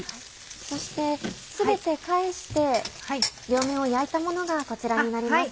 そして全て返して両面を焼いたものがこちらになります。